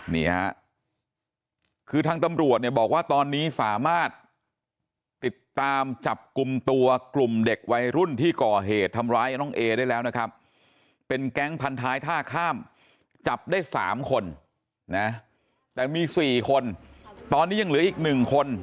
นี่ฮะคือทางตำรวจเนี่ยบอกว่าตอนนี้สามารถติดตามจับกลุ่มตัวกลุ่มเด็กวัยรุ่นที่ก่อเหตุทำร้ายน้องเอได้แล้วนะครับเป็นแก๊งพันท้ายท่าข้ามจับได้๓คนนะแต่มี๔คนตอนนี้ยังเหลืออีกหนึ่งคน